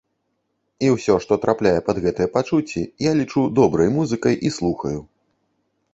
І ўсё, што трапляе пад гэтыя пачуцці, я лічу добрай музыкай і слухаю.